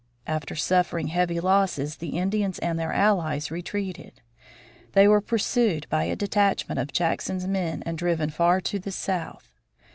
After suffering heavy losses, the Indians and their allies retreated. They were pursued by a detachment of Jackson's men and driven far to the south.